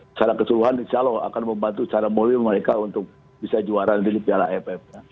secara keseluruhan insya allah akan membantu secara mulia mereka untuk bisa juara di yara f